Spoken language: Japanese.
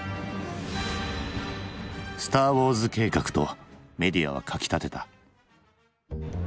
「スターウォーズ計画」とメディアは書きたてた。